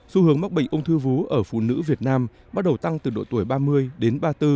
xu hướng mắc bệnh ung thư vú ở phụ nữ việt nam bắt đầu tăng từ độ tuổi ba mươi đến ba mươi bốn